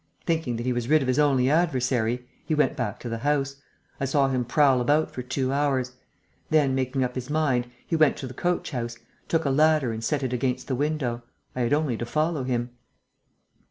Thinking that he was rid of his only adversary, he went back to the house. I saw him prowl about for two hours. Then, making up his mind, he went to the coach house, took a ladder and set it against the window. I had only to follow him."